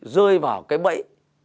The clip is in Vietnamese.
rơi vào cái bẫy